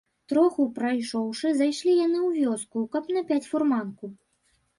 Троху прайшоўшы, зайшлі яны ў вёску, каб напяць фурманку.